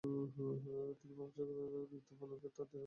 তিনি ভাবচক্ষুতে দুই নৃত্যরত বালককে তার দেহে অন্তলীন হতে দেখেছিলেন।